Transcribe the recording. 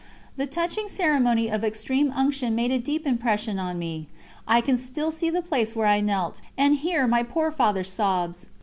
The touching ceremony of Extreme Unction made a deep impression on me. I can still see the place where I knelt, and hear my poor Father's sobs.